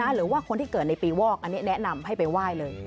หรือว่าคนที่เกิดในปีวอกอันนี้แนะนำให้ไปไหว้เลย